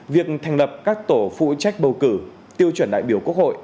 việc thành lập các tổ phụ trách bầu cử tiêu chuẩn đại biểu quốc hội